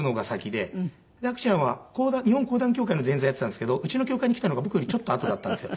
で伯ちゃんは日本講談協会の前座やっていたんですけどうちの協会に来たのが僕よりちょっとあとだったんですよ。